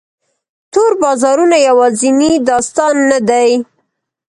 تور بازارونه یوازینی داستان نه دی.